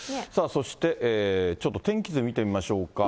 そして、ちょっと天気図見てみましょうか。